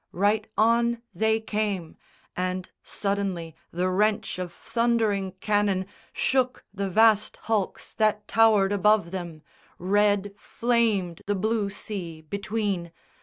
Right on they came, And suddenly the wrench of thundering cannon Shook the vast hulks that towered above them. Red Flamed the blue sea between.